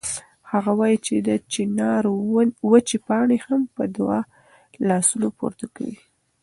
هغه وایي چې د چنار وچې پاڼې هم په دعا لاسونه پورته کوي.